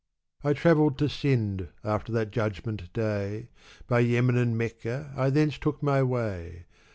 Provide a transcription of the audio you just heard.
" I travelled to Sind, after that Judgment Day ; By Yemen and Mecca I thence took my way.